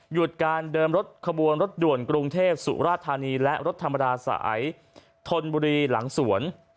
หยุดการเดิมรถขบวนรถด่วนกรุงเทพสุราธานีและรถธรรมดาสายธนบุรีหลังสวน